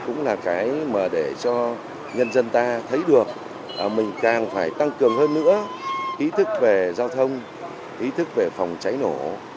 cũng là cái mà để cho nhân dân ta thấy được mình càng phải tăng cường hơn nữa ý thức về giao thông ý thức về phòng cháy nổ